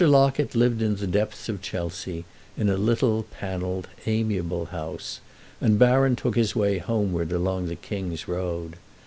Locket lived in the depths of Chelsea, in a little panelled, amiable house, and Baron took his way homeward along the King's Road.